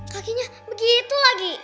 kakinya begitu lagi